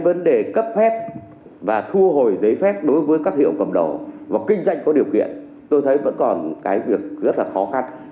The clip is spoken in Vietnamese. vấn đề cấp phép và thu hồi giấy phép đối với các hiệu cầm đầu và kinh doanh có điều kiện tôi thấy vẫn còn cái việc rất là khó khăn